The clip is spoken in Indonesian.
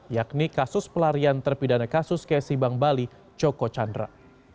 yakni kasus pelarian terpidana kasus kesi bank bali joko chandra